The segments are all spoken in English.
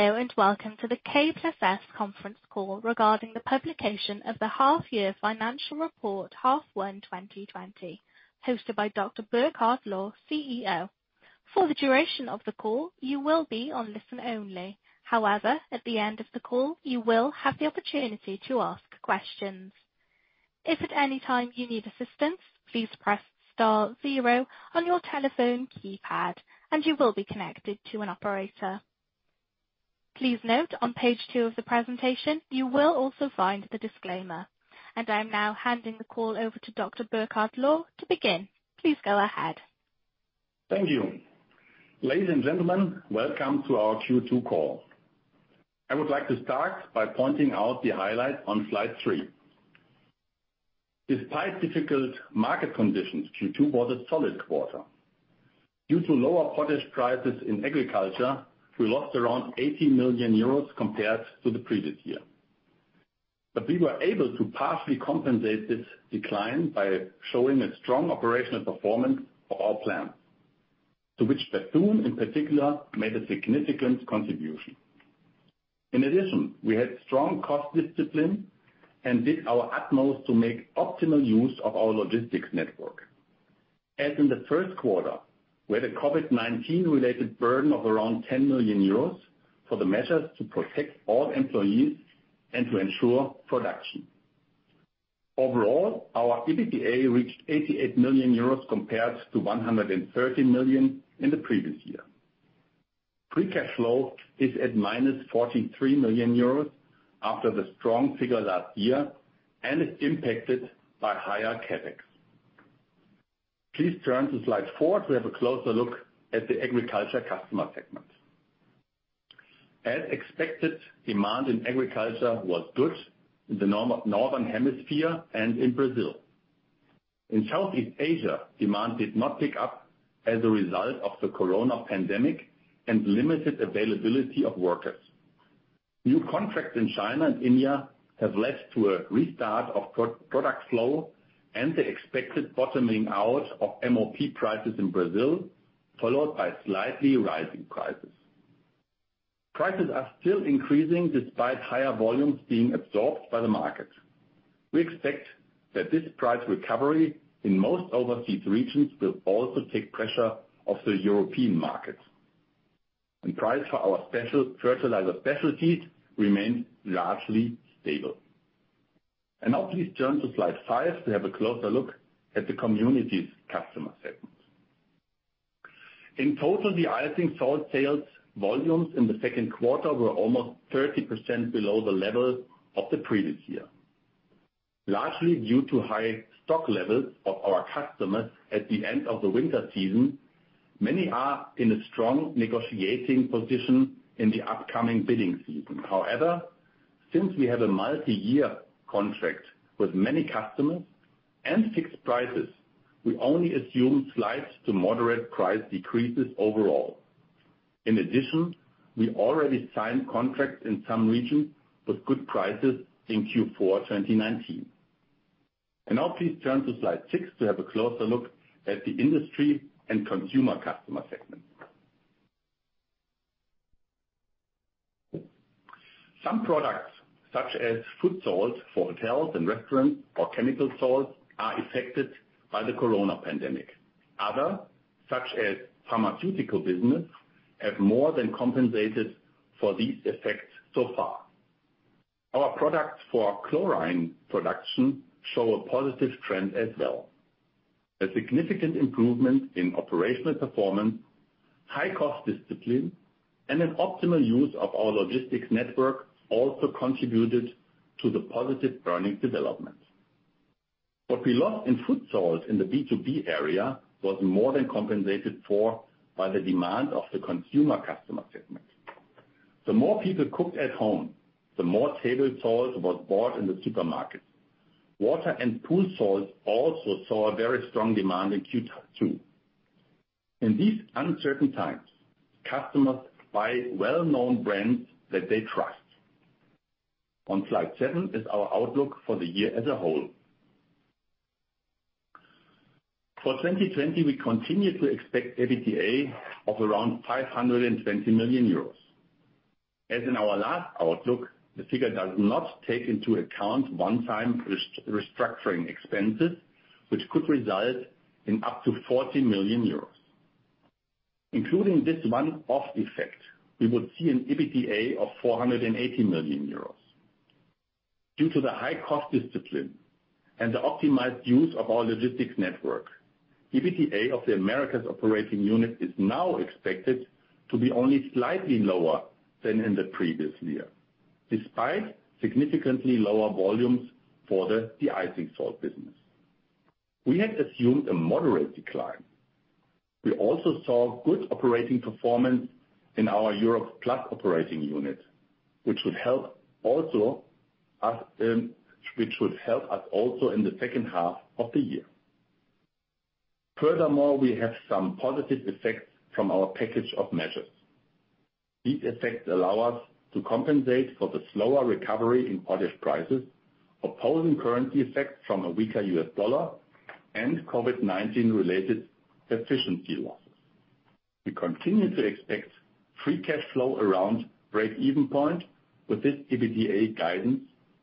Hello, Welcome to the K+S conference call regarding the publication of the half year financial report, half one 2020, hosted by Dr. Burkhard Lohr, CEO. For the duration of the call, you will be on listen only. However, at the end of the call, you will have the opportunity to ask questions. If at any time you need assistance, please press star zero on your telephone keypad, and you will be connected to an operator. Please note, on page two of the presentation, you will also find the disclaimer. I'm now handing the call over to Dr. Burkhard Lohr to begin. Please go ahead. Thank you. Ladies and gentlemen, Welcome to our Q2 call. I would like to start by pointing out the highlight on slide three. Despite difficult market conditions, Q2 was a solid quarter. Due to lower potash prices in agriculture, we lost around 80 million euros compared to the previous year. We were able to partially compensate this decline by showing a strong operational performance of our plant, to which Bethune in particular made a significant contribution. In addition, we had strong cost discipline and did our utmost to make optimal use of our logistics network. As in the first quarter, we had a COVID-19 related burden of around 10 million euros for the measures to protect all employees and to ensure production. Overall, our EBITDA reached 88 million euros compared to 113 million in the previous year. Free cash flow is at minus 43 million euros after the strong figure last year and is impacted by higher CapEx. Please turn to slide four to have a closer look at the agriculture customer segment. As expected, demand in agriculture was good in the Northern Hemisphere and in Brazil. In Southeast Asia, demand did not pick up as a result of the corona pandemic and limited availability of workers. New contracts in China and India have led to a restart of product flow and the expected bottoming out of MOP prices in Brazil, followed by slightly rising prices. Prices are still increasing despite higher volumes being absorbed by the market. We expect that this price recovery in most overseas regions will also take pressure off the European market, and price for our fertilizer specialties remains largely stable. Now please turn to slide five to have a closer look at the communities customer segment. In total, de-icing salt sales volumes in the second quarter were almost 30% below the level of the previous year. Largely due to high stock levels of our customers at the end of the winter season, many are in a strong negotiating position in the upcoming bidding season. However, since we have a multi-year contract with many customers and fixed prices, we only assume slight to moderate price decreases overall. In addition, we already signed contracts in some regions with good prices in Q4 2019. Now please turn to slide six to have a closer look at the industry and consumer customer segment. Some products, such as food salts for hotels and restaurants or chemical salts, are affected by the COVID-19 pandemic. Other, such as pharmaceutical business, have more than compensated for these effects so far. Our products for chlorine production show a positive trend as well. A significant improvement in operational performance, high cost discipline, and an optimal use of our logistics network also contributed to the positive earnings development. What we lost in food salt in the B2B area was more than compensated for by the demand of the consumer customer segment. The more people cooked at home, the more table salt was bought in the supermarket. Water and pool salt also saw a very strong demand in Q2. In these uncertain times, customers buy well-known brands that they trust. On slide seven is our outlook for the year as a whole. For 2020, we continue to expect EBITDA of around 520 million euros. As in our last outlook, the figure does not take into account one-time restructuring expenses, which could result in up to 40 million euros. Including this one-off effect, we would see an EBITDA of 480 million euros. Due to the high cost discipline and the optimized use of our logistics network, EBITDA of the Operating Unit Americas is now expected to be only slightly lower than in the previous year, despite significantly lower volumes for the de-icing salt business. We had assumed a moderate decline. We also saw good operating performance in our Europe+ operating unit, which would help us also in the second half of the year. We have some positive effects from our package of measures. These effects allow us to compensate for the slower recovery in potash prices, opposing currency effects from a weaker U.S. dollar and COVID-19 related efficiency losses. We continue to expect free cash flow around breakeven point with this EBITDA guidance,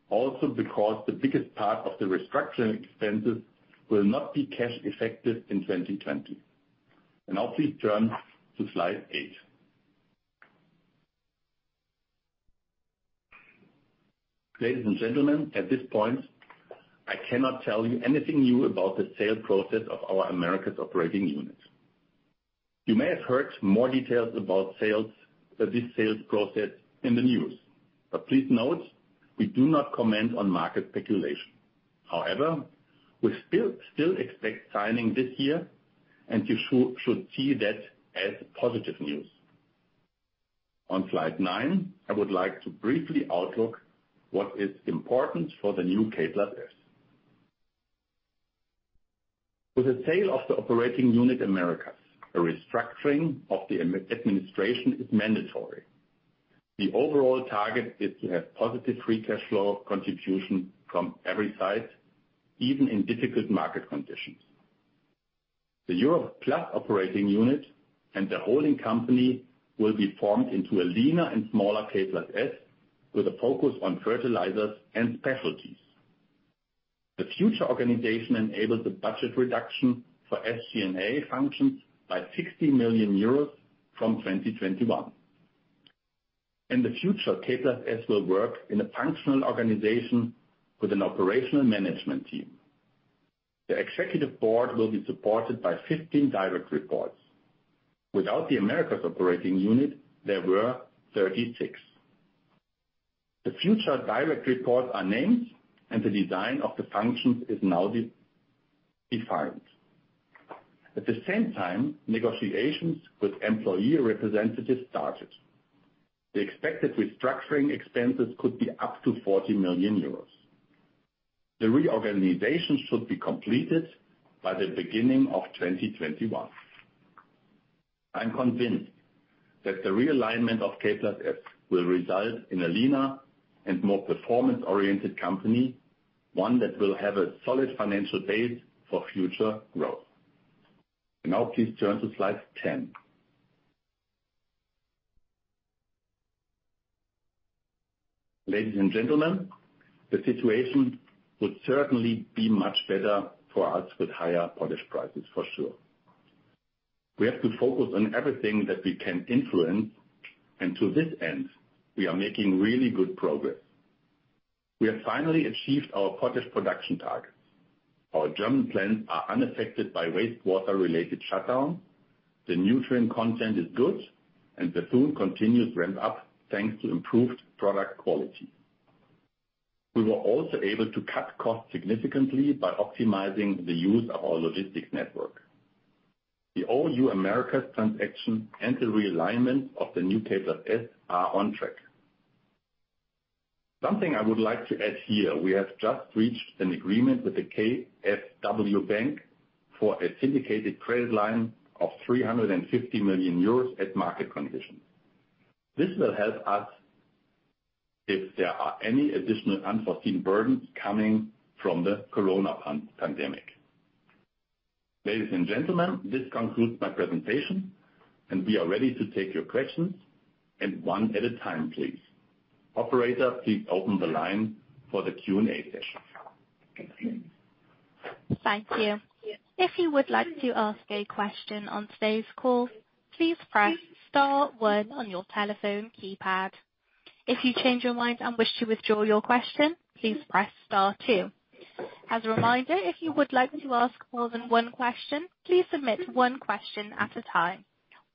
also because the biggest part of the restructuring expenses will not be cash effective in 2020. Now please turn to slide eight. Ladies and gentlemen, at this point, I cannot tell you anything new about the sales process of our Operating Unit Americas. You may have heard more details about this sales process in the news, please note, we do not comment on market speculation. However, we still expect signing this year, you should see that as positive news. On slide nine, I would like to briefly outlook what is important for the new K+S. With the sale of the Operating Unit Americas, a restructuring of the administration is mandatory. The overall target is to have positive free cash flow contribution from every site, even in difficult market conditions. The Europe+ operating unit and the holding company will be formed into a leaner and smaller K+S, with a focus on fertilizers and specialties. The future organization enables the budget reduction for SG&A functions by 60 million euros from 2021. In the future, K+S will work in a functional organization with an operational management team. The executive board will be supported by 15 direct reports. Without the Operating Unit Americas, there were 36. The future direct reports are named, and the design of the functions is now defined. At the same time, negotiations with employee representatives started. The expected restructuring expenses could be up to 40 million euros. The reorganization should be completed by the beginning of 2021. I'm convinced that the realignment of K+S will result in a leaner and more performance-oriented company, one that will have a solid financial base for future growth. Please turn to slide 10. Ladies and gentlemen, the situation would certainly be much better for us with higher potash prices for sure. We have to focus on everything that we can influence, and to this end, we are making really good progress. We have finally achieved our potash production targets. Our German plants are unaffected by wastewater-related shutdown. The nutrient content is good, and the feed continues ramp up, thanks to improved product quality. We were also able to cut costs significantly by optimizing the use of our logistics network. The OU Americas transaction and the realignment of the new K+S are on track. Something I would like to add here, we have just reached an agreement with the KfW bank for a syndicated credit line of 350 million euros at market conditions. This will help us if there are any additional unforeseen burdens coming from the corona pandemic. Ladies and gentlemen, this concludes my presentation, and we are ready to take your questions, and one at a time please. Operator, please open the line for the Q&A session. Thank you. If you would like to ask a question on today's call, please press star one on your telephone keypad. If you change your mind and wish to withdraw your question, please press star two. As a reminder, if you would like to ask more than one question, please submit one question at a time.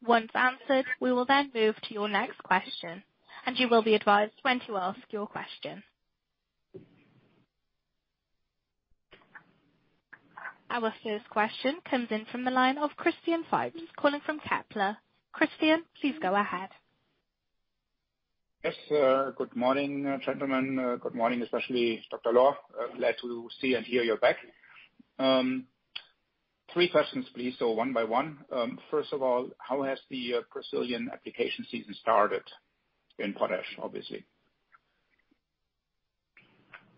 Once answered, we will then move to your next question, and you will be advised when to ask your question. Our first question comes in from the line of Christian Faitz, calling from Kepler. Christian, please go ahead. Yes, good morning, gentlemen. Good morning, especially Dr. Lohr. Glad to see and hear you're back. Three questions, please. One by one. First of all, how has the Brazilian application season started in potash, obviously?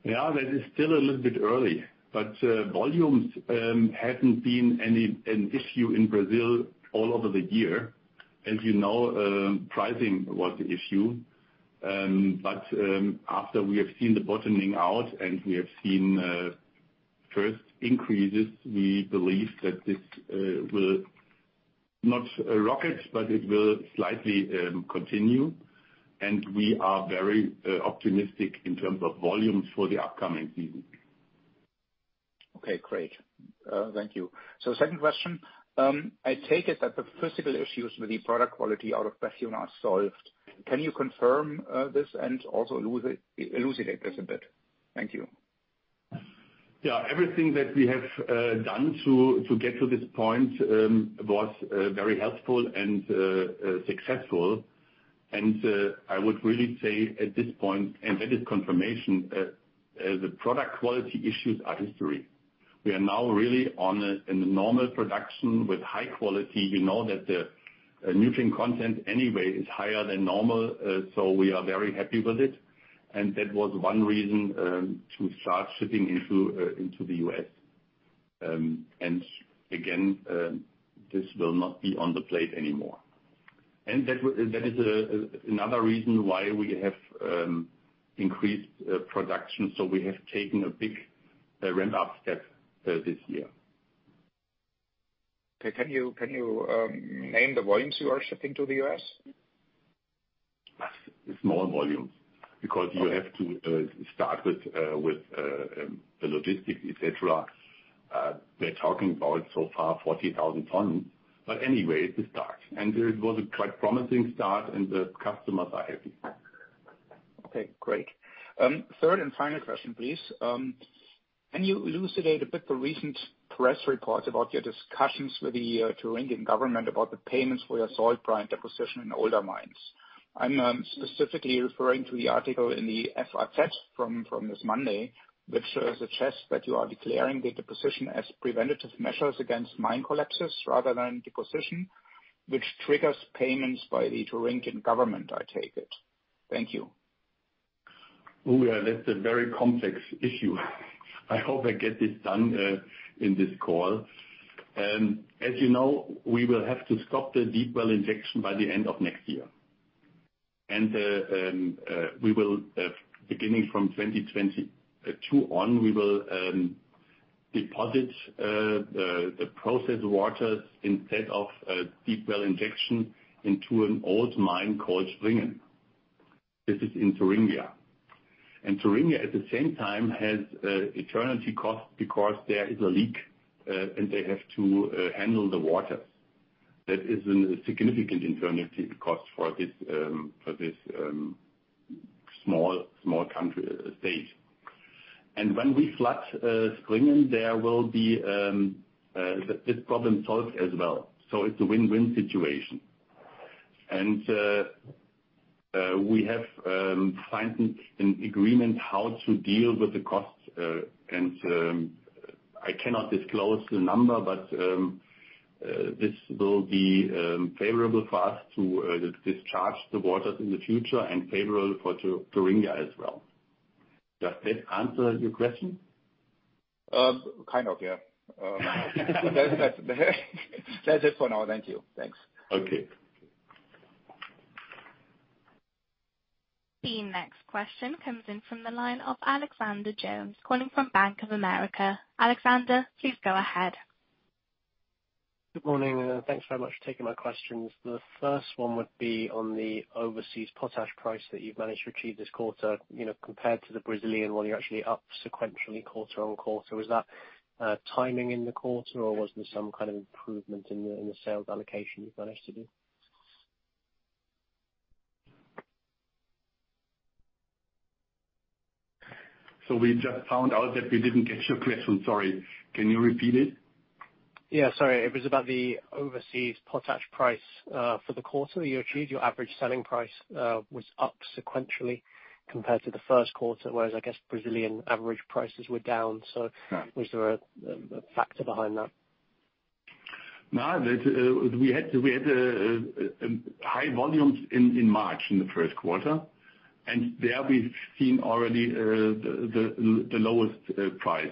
Yeah, that is still a little bit early, but volumes hadn't been an issue in Brazil all over the year. As you know, pricing was the issue. After we have seen the bottoming out and we have seen first increases, we believe that this will, not rocket, but it will slightly continue, and we are very optimistic in terms of volumes for the upcoming season. Okay, great. Thank you. Second question. I take it that the physical issues with the product quality out of Bethune are solved. Can you confirm this and also elucidate this a bit? Thank you. Yeah, everything that we have done to get to this point was very helpful and successful. I would really say at this point, and that is confirmation, the product quality issues are history. We are now really in the normal production with high quality. You know that the nutrient content anyway is higher than normal, so we are very happy with it. That was one reason to start shipping into the U.S. Again, this will not be on the plate anymore. That is another reason why we have increased production. We have taken a big ramp-up step this year. Okay. Can you name the volumes you are shipping to the U.S.? Small volumes, because you have to start with the logistics, et cetera. We're talking about so far, 40,000 tons. Anyway, it's a start, and it was a quite promising start, and the customers are happy. Okay, great. Third and final question, please. Can you elucidate a bit the recent press reports about your discussions with the Thuringian government about the payments for your salt brine deposition in older mines? I'm specifically referring to the article in the Freies Wort from this Monday, which suggests that you are declaring the deposition as preventative measures against mine collapses rather than deposition, which triggers payments by the Thuringian government, I take it. Thank you. Oh, yeah, that's a very complex issue. I hope I get this done in this call. As you know, we will have to stop the deep well injection by the end of next year. Beginning from 2022 on, we will deposit the processed waters instead of deep well injection into an old mine called Springen. This is in Thuringia. Thuringia, at the same time, has eternity costs because there is a leak, and they have to handle the water. That is a significant eternity cost for this small state. When we flood Springen, this problem solved as well. It's a win-win situation. We have signed an agreement how to deal with the costs. I cannot disclose the number, but this will be favorable for us to discharge the waters in the future and favorable for Thuringia as well. Does that answer your question? Kind of, yeah. That's it for now, thank you. Thanks. Okay. The next question comes in from the line of Alexander Jones, calling from Bank of America. Alexander, please go ahead. Good morning. Thanks very much for taking my questions. The first one would be on the overseas potash price that you've managed to achieve this quarter, compared to the Brazilian one, you're actually up sequentially quarter-on-quarter. Was that timing in the quarter, or was there some kind of improvement in the sales allocation you've managed to do? We just found out that we didn't get your question, sorry. Can you repeat it? Yeah, sorry. It was about the overseas potash price. For the quarter that you achieved, your average selling price was up sequentially compared to the first quarter, whereas I guess Brazilian average prices were down. Was there a factor behind that? No, we had high volumes in March, in the first quarter, and there we've seen already the lowest price.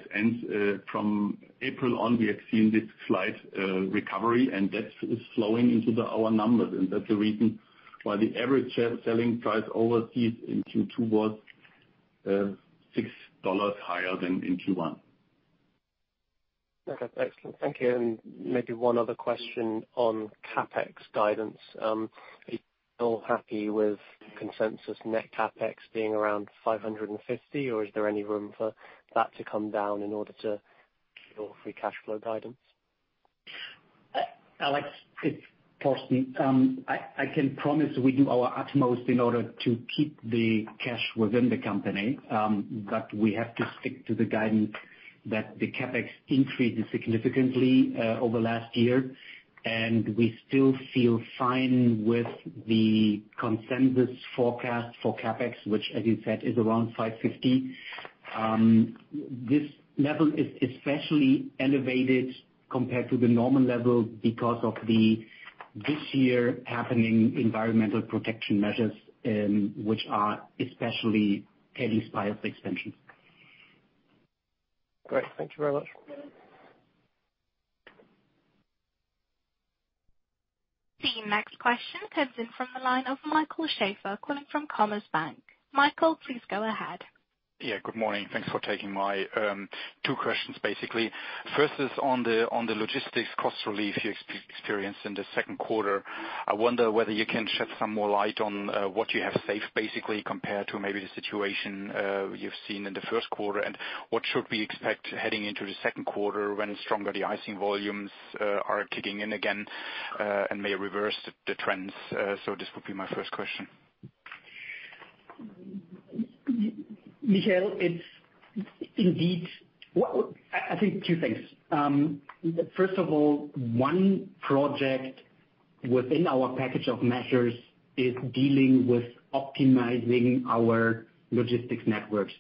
From April on, we have seen this slight recovery, and that is flowing into our numbers, and that's the reason why the average selling price overseas in Q2 was EUR 6 higher than in Q1. Okay. Excellent. Thank you. Maybe one other question on CapEx guidance. Are you still happy with consensus net CapEx being around 550, or is there any room for that to come down in order to keep your free cash flow guidance? Alex, it's Thorsten. I can promise we do our utmost in order to keep the cash within the company, but we have to stick to the guidance that the CapEx increased significantly over last year, and we still feel fine with the consensus forecast for CapEx, which as you said, is around 550. This level is especially elevated compared to the normal level because of the this year happening environmental protection measures, which are especially heavy deep well injections. Great. Thank you very much. The next question comes in from the line of Michael Schäfer, calling from Commerzbank. Michael, please go ahead. Yeah, good morning. Thanks for taking my two questions, basically. First is on the logistics cost relief you experienced in the second quarter. I wonder whether you can shed some more light on what you have saved, basically, compared to maybe the situation you've seen in the first quarter, and what should we expect heading into the second quarter when stronger de-icing volumes are kicking in again, and may reverse the trends? This would be my first question. Michael, I think two things. First of all, one project within our package of measures is dealing with optimizing our logistics networks.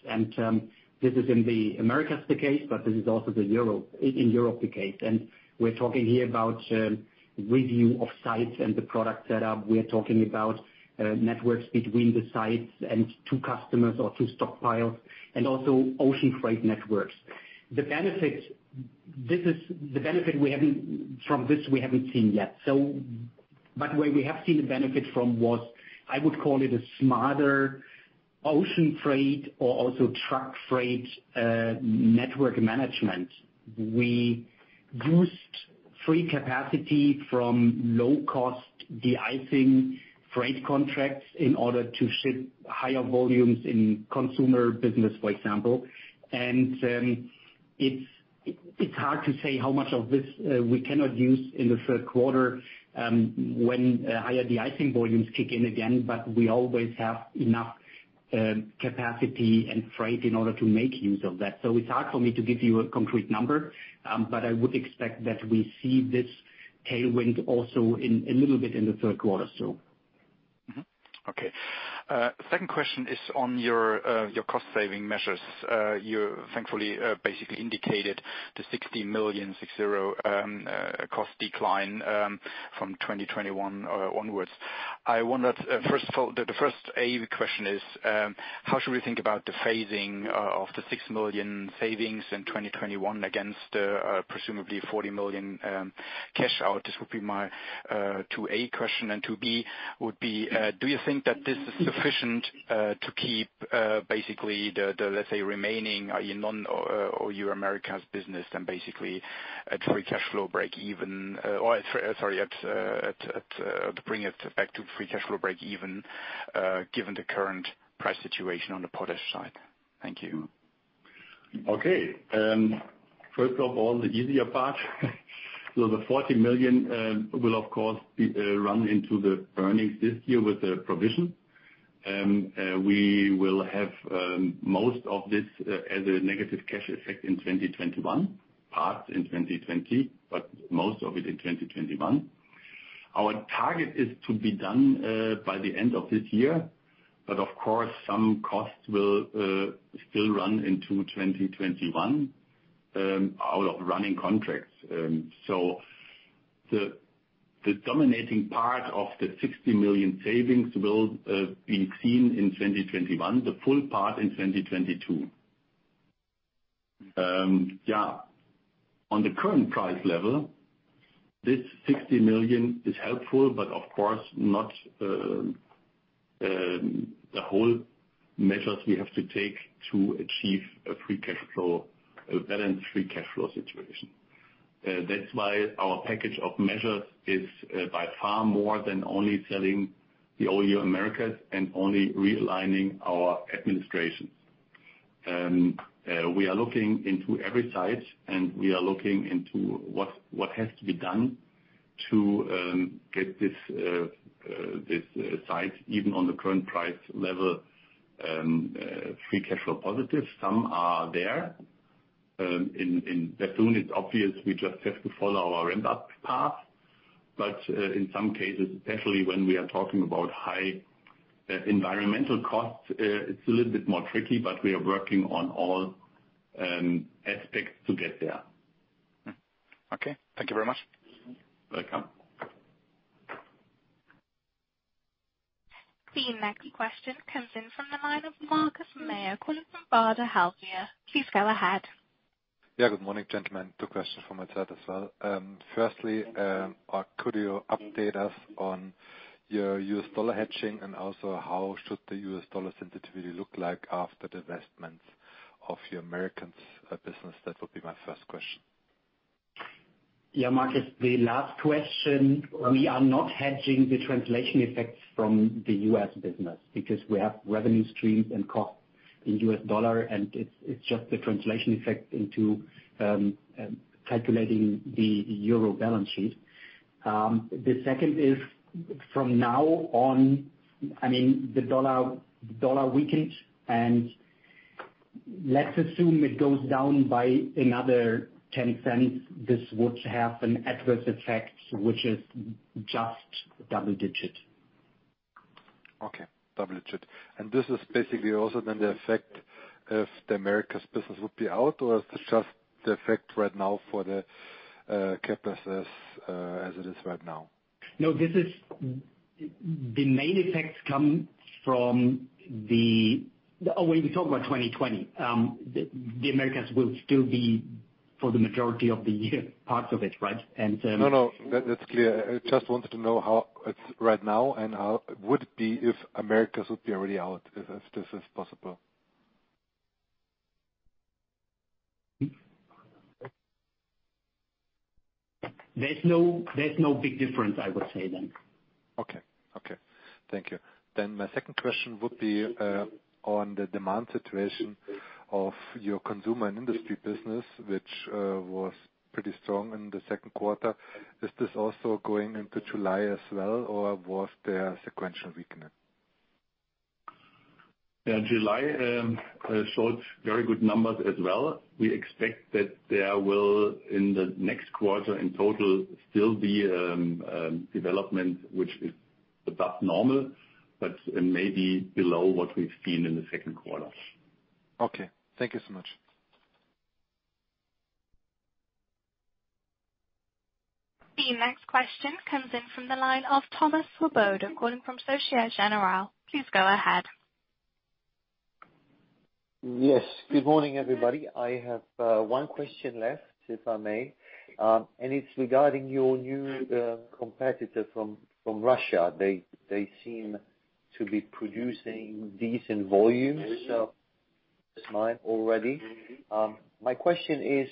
This is in the Americas the case, but this is also in Europe the case. We're talking here about review of sites and the product setup. We're talking about networks between the sites and to customers or to stockpiles, and also ocean freight networks. The benefit from this we haven't seen yet. Where we have seen the benefit from was, I would call it a smarter ocean freight or also truck freight network management. We boost free capacity from low-cost de-icing freight contracts in order to ship higher volumes in consumer business, for example. It's hard to say how much of this we cannot use in the third quarter when higher de-icing volumes kick in again, but we always have enough capacity and freight in order to make use of that. It's hard for me to give you a concrete number, but I would expect that we see this tailwind also a little bit in the third quarter. Okay. Second question is on your cost-saving measures. You thankfully basically indicated the 60 million, six, zero, cost decline from 2021 onwards. The first A question is, how should we think about the phasing of the 6 million savings in 2021 against presumably 40 million cash out? This would be my 2A question. 2B would be, do you think that this is sufficient to keep basically the, let's say, remaining in non-OU or Americas business than basically at free cash flow break even or, sorry, to bring it back to free cash flow break even, given the current price situation on the potash side? Thank you. Okay. First of all, the easier part. The 40 million will of course run into the earnings this year with the provision. We will have most of this as a negative cash effect in 2021, part in 2020, but most of it in 2021. Our target is to be done by the end of this year. Of course some costs will still run into 2021, out of running contracts. The dominating part of the 60 million savings will be seen in 2021, the full part in 2022. On the current price level, this 60 million is helpful, but of course not the whole measures we have to take to achieve a balanced free cash flow situation. That's why our package of measures is by far more than only selling the OU Americas and only realigning our administration. We are looking into every site and we are looking into what has to be done to get this site, even on the current price level, free cash flow positive. Some are there. In Bethune it's obvious we just have to follow our ramp-up path. But in some cases, especially when we are talking about high environmental costs, it's a little bit more tricky, but we are working on all aspects to get there. Okay. Thank you very much. Welcome. The next question comes in from the line of Markus Mayer calling from Baader Helvea. Please go ahead. Yeah, good morning, gentlemen. Two questions from myself as well. Firstly, could you update us on your U.S. dollar hedging? Also, how should the U.S. dollar sensitivity look like after the divestments of the Operating Unit Americas? That would be my first question. Markus, the last question. We are not hedging the translation effects from the U.S. business because we have revenue streams and costs in U.S. dollar and it's just the translation effect into calculating the euro balance sheet. The second is from now on, the U.S. dollar weakened and let's assume it goes down by another $0.10. This would have an adverse effect, which is just double-digit. Okay. Double digit. This is basically also then the effect if the Americas business would be out or is this just the effect right now for the K+S as it is right now? The main effects come from when you talk about 2020, the Americas will still be for the majority of the year, parts of it, right? No, no, that's clear. I just wanted to know how it's right now and how would it be if Americas would be already out, if this is possible. There's no big difference I would say then. Okay. Thank you. My second question would be on the demand situation of your consumer and industry business, which was pretty strong in the second quarter. Is this also going into July as well or was there sequential weakening? Yeah. July showed very good numbers as well. We expect that there will, in the next quarter in total, still be development which is above normal, but maybe below what we've seen in the second quarter. Okay. Thank you so much. The next question comes in from the line of Thomas Swoboda, calling from Société Générale. Please go ahead. Yes. Good morning, everybody. I have one question left, if I may. It's regarding your new competitor from Russia. They seem to be producing decent volumes this time already. My question is,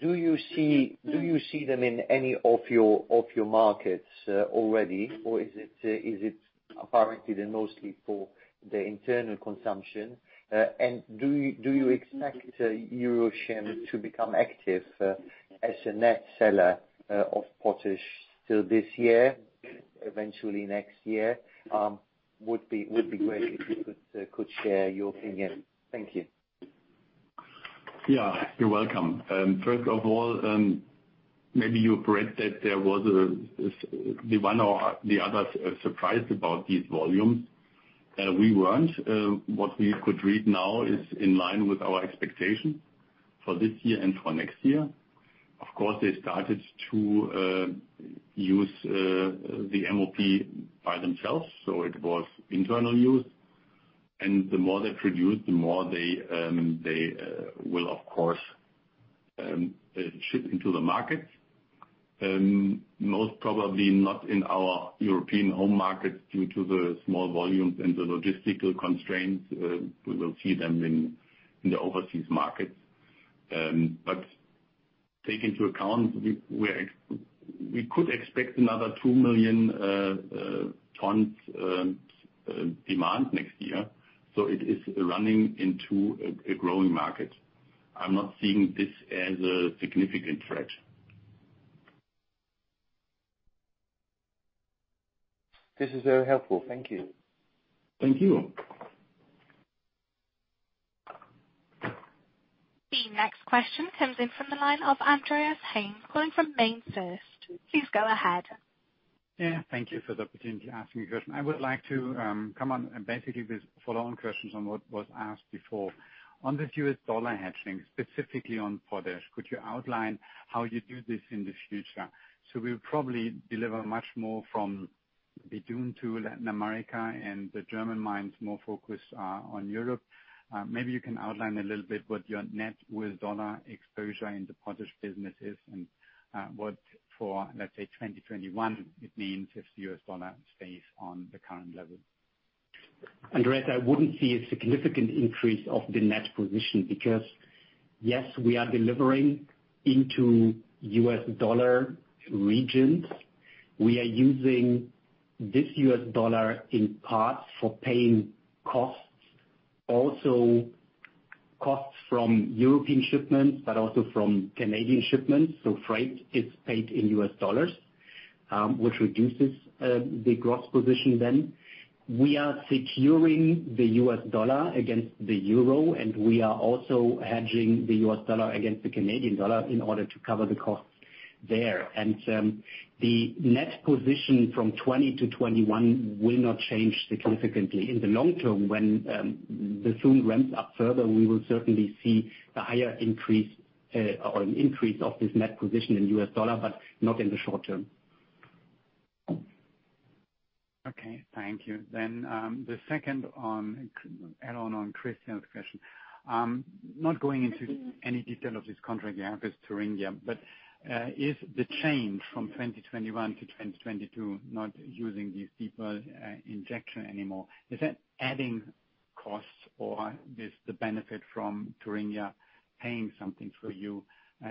do you see them in any of your markets already, or is it targeted mostly for the internal consumption? Do you expect EuroChem to become active as a net seller of potash till this year, eventually next year? Would be great if you could share your opinion. Thank you. Yeah. You're welcome. First of all, maybe you've read that there was the one or the other surprised about these volumes. We weren't. What we could read now is in line with our expectation for this year and for next year. Of course, they started to use the MOP by themselves, so it was internal use. The more they produce, the more they will, of course, ship into the markets. Most probably not in our European home markets due to the small volumes and the logistical constraints. We will see them in the overseas markets. Take into account, we could expect another 2 million tons demand next year. It is running into a growing market. I'm not seeing this as a significant threat. This is very helpful. Thank you. Thank you. The next question comes in from the line of Andreas Heine, calling from MainFirst. Please go ahead. Yeah, thank you for the opportunity to ask you a question. I would like to come on basically with follow-on questions on what was asked before. On the US dollar hedging, specifically on potash, could you outline how you do this in the future? We'll probably deliver much more from Bethune to Latin America and the German mines more focused on Europe. Maybe you can outline a little bit what your net US dollar exposure in the potash business is and what for, let's say, 2021 it means if the US dollar stays on the current level. Andreas, I wouldn't see a significant increase of the net position because, yes, we are delivering into US dollar regions. We are using this US dollar in part for paying costs. Also costs from European shipments, but also from Canadian shipments. Freight is paid in US dollars, which reduces the gross position then. We are securing the US dollar against the euro, and we are also hedging the US dollar against the Canadian dollar in order to cover the costs there. The net position from 2020 to 2021 will not change significantly. In the long term, when Bethune ramps up further, we will certainly see a higher increase or an increase of this net position in US dollar, but not in the short term. Okay. Thank you. The second add-on on Christian's question. Not going into any detail of this contract you have with Thuringia, but is the change from 2021 to 2022 not using these deep well injection anymore, is that adding costs, or is the benefit from Thuringia paying something for you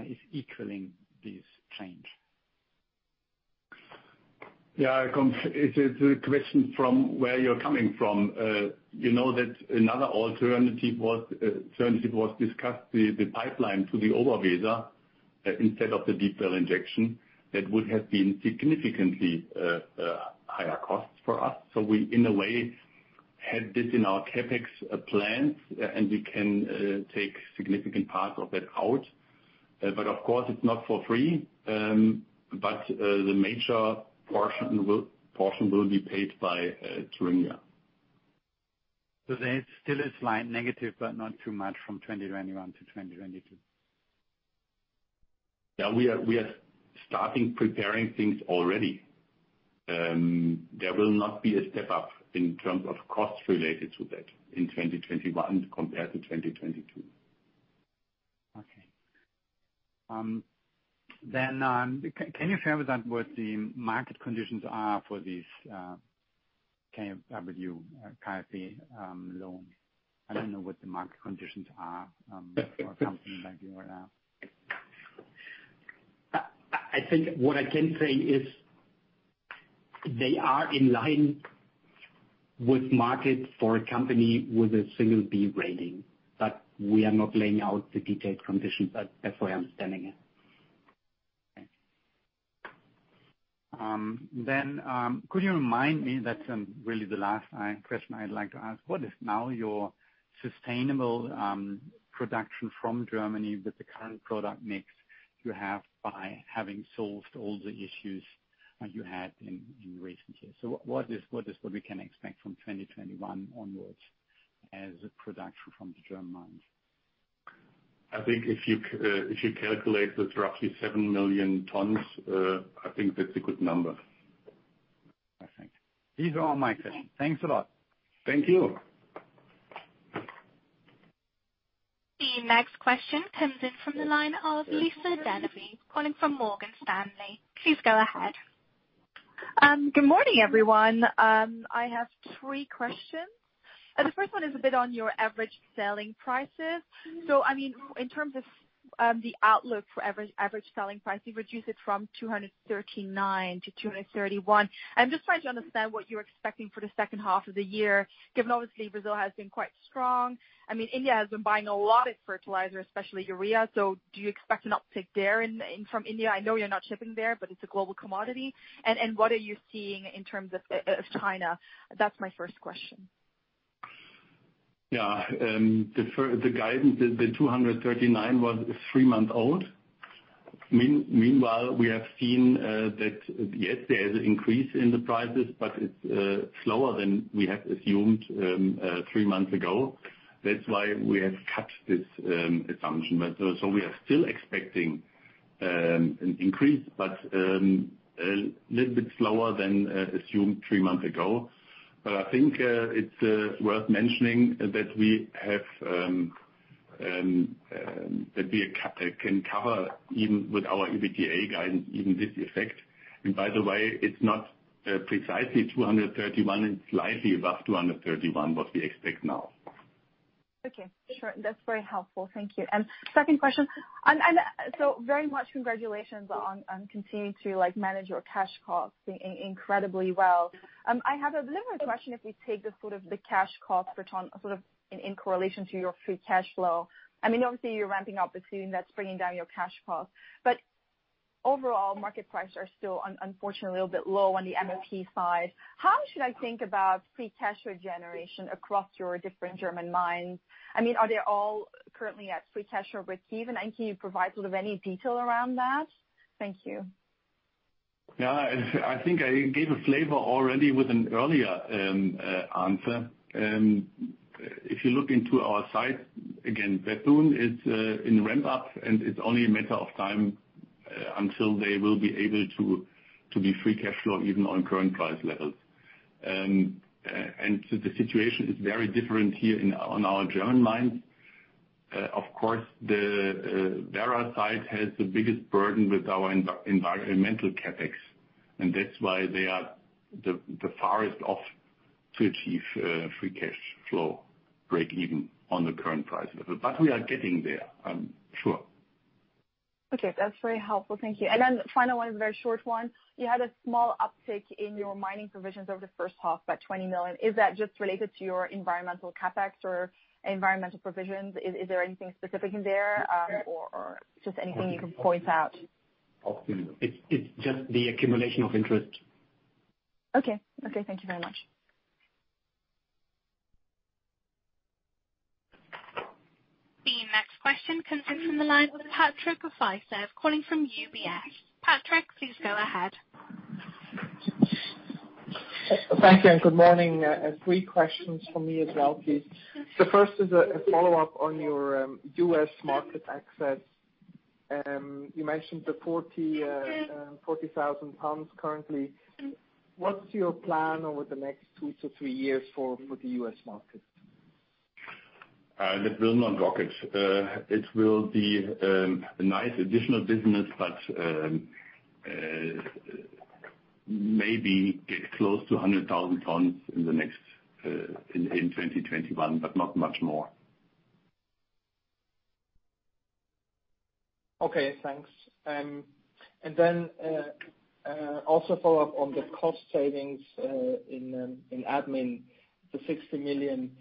is equaling this change? Yeah. It is a question from where you're coming from. You know that another alternative was discussed, the pipeline to the Oberweser, instead of the deep well injection. That would have been significantly higher costs for us. We, in a way, had this in our CapEx plans, and we can take significant part of that out. Of course, it's not for free. The major portion will be paid by Thuringia. There's still a slight negative, but not too much from 2021 to 2022. Yeah. We are starting preparing things already. There will not be a step-up in terms of costs related to that in 2021 compared to 2022. Can you share with us what the market conditions are for this KfW loan? I don't know what the market conditions are for a company like you right now. I think what I can say is they are in line with market for a company with a single B rating, but we are not laying out the detailed conditions. That's the way I'm understanding it. Okay. Could you remind me, that's really the last question I'd like to ask. What is now your sustainable production from Germany with the current product mix you have by having solved all the issues you had in recent years? What is what we can expect from 2021 onwards as a production from the German mines? I think if you calculate the roughly 7 million tons, I think that's a good number. Perfect. These are all my questions. Thanks a lot. Thank you. The next question comes in from the line of Lisa De Neve, calling from Morgan Stanley. Please go ahead. Good morning, everyone. I have three questions. The first one is a bit on your average selling prices. In terms of the outlook for average selling price, you reduce it from 239 to 231. I'm just trying to understand what you're expecting for the second half of the year, given, obviously, Brazil has been quite strong. India has been buying a lot of fertilizer, especially urea. Do you expect an uptick there from India? I know you're not shipping there, but it's a global commodity. What are you seeing in terms of China? That's my first question. The guidance, the 239 was three months old. Meanwhile, we have seen that, yes, there is an increase in the prices, but it is slower than we had assumed three months ago. That is why we have cut this assumption. We are still expecting an increase, but a little bit slower than assumed three months ago. I think it is worth mentioning that we can cover, even with our EBITDA guidance, even this effect. By the way, it is not precisely 231. It is slightly above 231, what we expect now. Okay, sure. That's very helpful. Thank you. Second question. Very much congratulations on continuing to manage your cash costs incredibly well. I have a little question if we take the cash cost in correlation to your free cash flow. Obviously, you're ramping up Bethune. That's bringing down your cash cost. Overall, market prices are still, unfortunately, a little bit low on the MOP side. How should I think about free cash flow generation across your different German mines? Are they all currently at free cash flow breakeven? Can you provide any detail around that? Thank you. Yeah. I think I gave a flavor already with an earlier answer. If you look into our site, again, Bethune is in ramp-up, and it's only a matter of time until they will be able to be free cash flow breakeven on current price levels. The situation is very different here on our German mines. Of course, the Werra site has the biggest burden with our environmental CapEx, and that's why they are the farthest off to achieve free cash flow breakeven on the current price level. We are getting there, I'm sure. Okay. That's very helpful. Thank you. The final one is a very short one. You had a small uptick in your mining provisions over the first half by 20 million. Is that just related to your environmental CapEx or environmental provisions? Is there anything specific in there or just anything you can point out? It's just the accumulation of interest. Okay. Thank you very much. The next question comes in from the line with Patrick Rafaisz, calling from UBS. Patrick, please go ahead. Thank you. Good morning. Three questions from me as well, please. The first is a follow-up on your U.S. market access. You mentioned the 40,000 tons currently. What's your plan over the next two to three years for the U.S. market? It will not rocket. It will be a nice additional business that maybe gets close to 100,000 tons in 2021, but not much more. Okay, thanks. Also follow up on the cost savings in admin, the 60 million.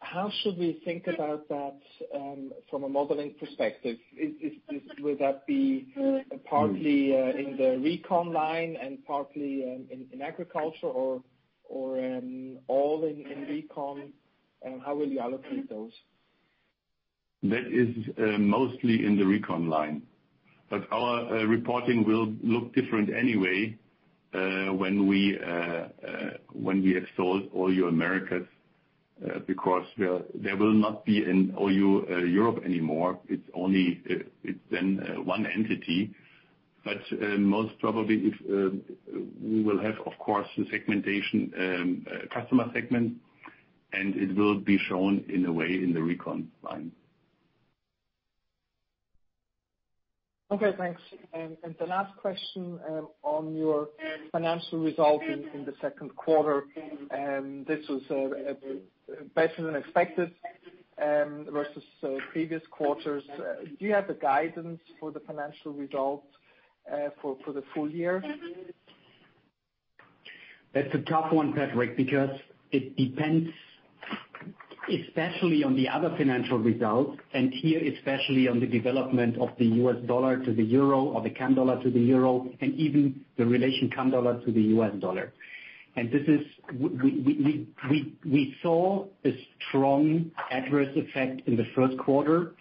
How should we think about that from a modeling perspective? Would that be partly in the recon line and partly in agriculture or all in recon? How will you allocate those? That is mostly in the recon line. Our reporting will look different anyway when we have sold all our Americas, because there will not be an OU Europe anymore. It's then one entity. Most probably, we will have, of course, a segmentation, a customer segment, and it will be shown in a way in the recon line. Okay, thanks. The last question on your financial results in the second quarter, this was better than expected versus previous quarters. Do you have the guidance for the financial results for the full year? That's a tough one, Patrick, because it depends especially on the other financial results, and here, especially on the development of the US dollar to the EUR or the Canadian dollar to the EUR, and even the relation Canadian dollar to the US dollar. We saw a strong adverse effect in the first quarter.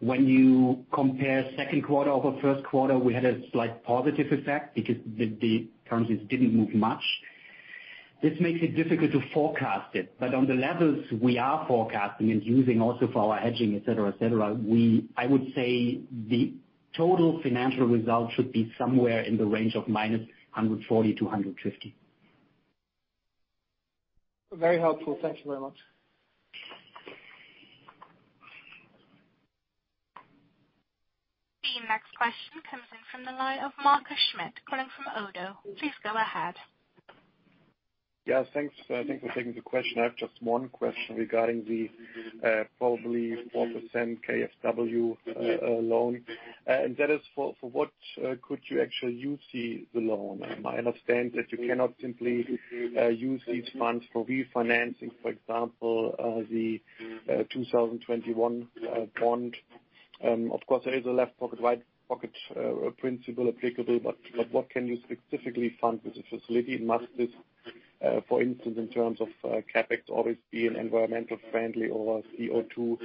When you compare second quarter over first quarter, we had a slight positive effect because the currencies didn't move much. This makes it difficult to forecast it, but on the levels we are forecasting and using also for our hedging, et cetera. I would say the total financial result should be somewhere in the range of minus 140-150. Very helpful. Thank you very much. The next question comes in from the line of Markus Schmitt calling from ODDO. Please go ahead. Yes, thanks. Thank you for taking the question. I have just one question regarding the, probably 4% KfW loan. That is for what could you actually use the loan? I understand that you cannot simply use these funds for refinancing, for example, the 2021 bond. Of course, there is a left pocket, right pocket principle applicable, but what can you specifically fund with the facility? Must this, for instance, in terms of CapEx always be an environmental friendly or CO2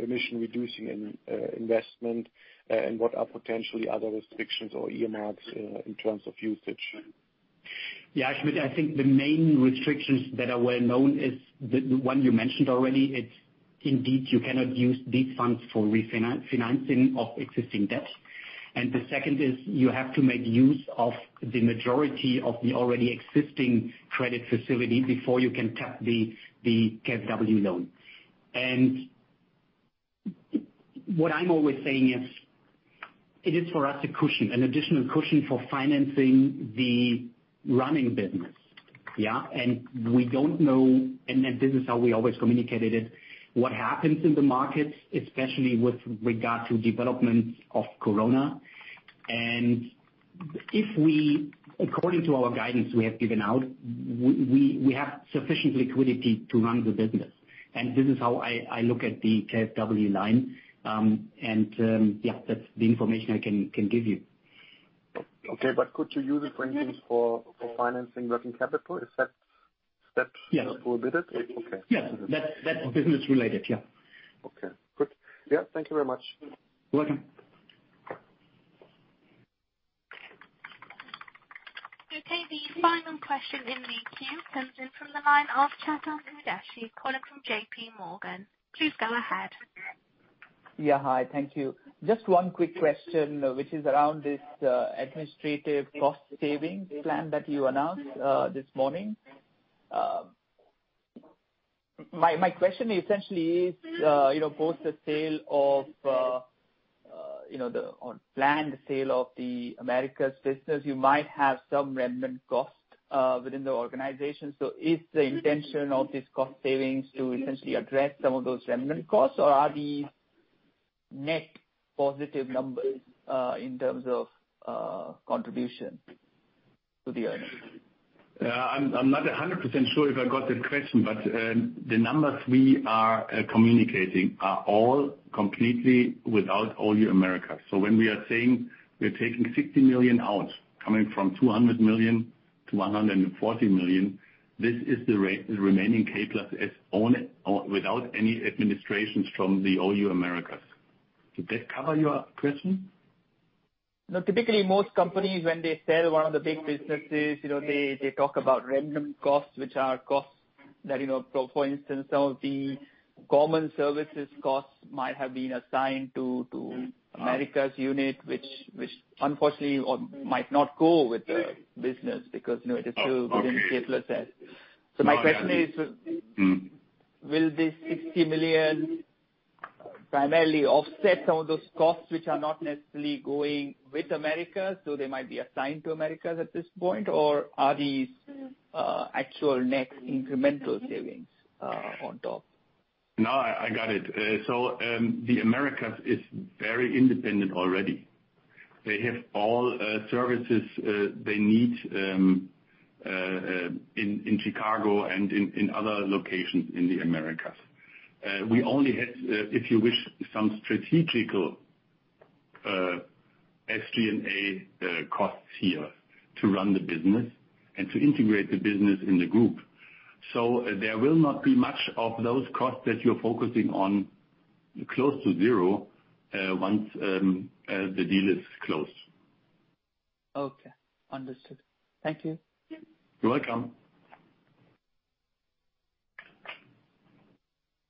emission reducing investment? What are potentially other restrictions or earmarks in terms of usage? Yeah, Schmitt, I think the main restrictions that are well known is the one you mentioned already. It's indeed you cannot use these funds for refinancing of existing debt. The second is you have to make use of the majority of the already existing credit facility before you can tap the KfW loan. What I'm always saying is, it is for us a cushion, an additional cushion for financing the running business. Yeah? We don't know, and this is how we always communicated it, what happens in the markets, especially with regard to developments of Corona. According to our guidance we have given out, we have sufficient liquidity to run the business. This is how I look at the KfW line. Yeah, that's the information I can give you. Okay, could you use it for instance, for financing working capital? Is that prohibited? Yes. Okay. Yeah, that's business related, yeah. Okay, good. Yeah, thank you very much. You're welcome. Okay, the final question in the queue comes in from the line of Chetan Udeshi, calling from JPMorgan. Please go ahead. Hi. Thank you. Just one quick question, which is around this administrative cost savings plan that you announced this morning. My question essentially is, post the sale of the or planned sale of the Americas business, you might have some remnant costs within the organization. Is the intention of this cost savings to essentially address some of those remnant costs, or are these net positive numbers, in terms of contribution to the earnings? I'm not 100% sure if I got the question. The numbers we are communicating are all completely without OU Americas. When we are saying we're taking 60 million out, coming from 200 million to 140 million, this is the remaining K+S without any administrations from the OU Americas. Did that cover your question? Typically, most companies when they sell one of the big businesses, they talk about remnant costs, which are costs that, for instance, some of the common services costs might have been assigned to Americas unit. Unfortunately might not go with the business because it is still within K+S. My question is, will this 60 million primarily offset some of those costs which are not necessarily going with Americas, so they might be assigned to Americas at this point, or are these actual net incremental savings on top? I got it. The Americas is very independent already. They have all services they need in Chicago and in other locations in the Americas. We only had, if you wish, some strategic SG&A costs here to run the business and to integrate the business in the group. There will not be much of those costs that you're focusing on, close to zero, once the deal is closed. Okay. Understood. Thank you. You're welcome.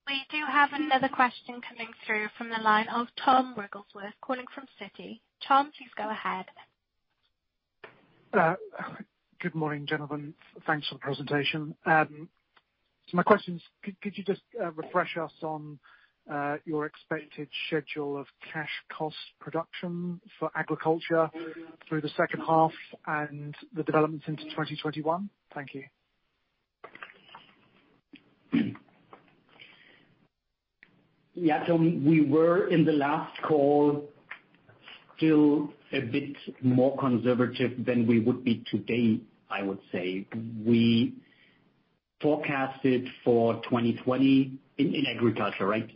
We do have another question coming through from the line of Tom Wrigglesworth, calling from Citi. Tom, please go ahead. Good morning, gentlemen. Thanks for the presentation. My question is, could you just refresh us on your expected schedule of cash cost production for agriculture through the second half and the developments into 2021? Thank you. Yeah, Tom. We were in the last call still a bit more conservative than we would be today, I would say. We forecasted for 2020 in agriculture, right?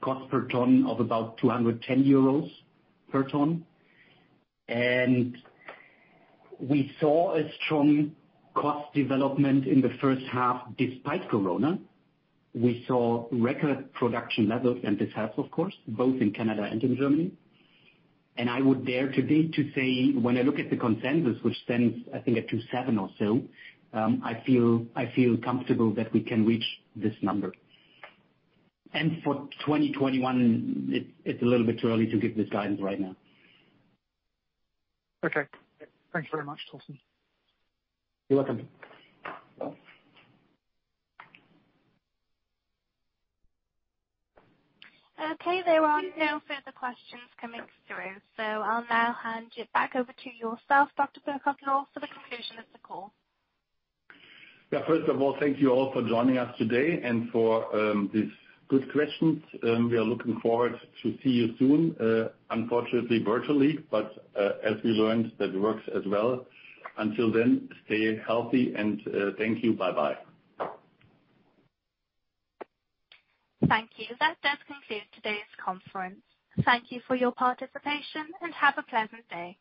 Cost per ton of about 210 euros per ton. We saw a strong cost development in the first half despite Corona. We saw record production levels in this half, of course, both in Canada and in Germany. I would dare today to say, when I look at the consensus, which stands, I think, at 207 or so, I feel comfortable that we can reach this number. For 2021, it's a little bit too early to give this guidance right now. Okay. Thanks very much, Thorsten. You're welcome. Okay, there are no further questions coming through. I'll now hand it back over to yourself, Dr. Lohr, for the conclusion of the call. First of all, thank you all for joining us today and for these good questions. We are looking forward to see you soon. Unfortunately, virtually, as we learned, that works as well. Until then, stay healthy, thank you. Bye-bye. Thank you. That does conclude today's conference. Thank you for your participation, and have a pleasant day.